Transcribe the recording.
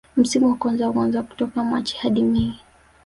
Msimu wa kwanza huanza kutoka Machi hadi mei